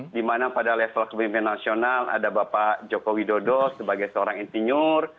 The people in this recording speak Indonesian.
dimana pada level kepemimpinan nasional ada bapak joko widodo sebagai seorang insinyur